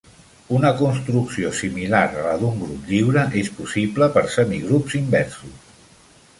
Una construcció similar a la d'un grup lliure és possible per semigrups inversos.